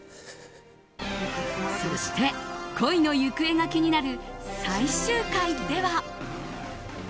そして恋の行方が気になる最終回では。